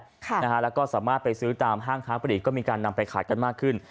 แล้วก็สามารถไปซื้อตามห้างค้าปลีกก็มีการนำไปขายกันมากขึ้น